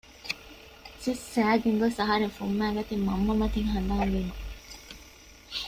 ސިއްސައިގެން ގޮސް އަހަރެން ފުއްމައިގަތީ މަންމަ މަތިން ހަނދާން ވީމަ